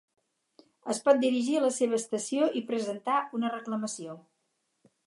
Es pot dirigir a la seva estació i presentar una reclamació.